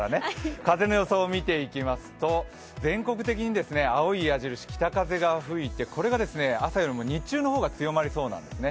風の予想を見ていきますと全国的に青い矢印、北風が吹いて、これが朝よりも日中の方が強まりそうなんですね。